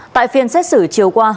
tại phiên xét xử chiều qua